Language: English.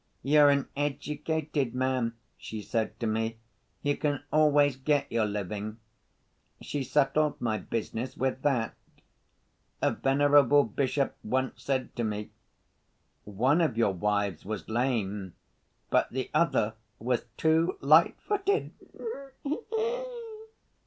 'You're an educated man,' she said to me. 'You can always get your living.' She settled my business with that. A venerable bishop once said to me: 'One of your wives was lame, but the other was too light‐footed.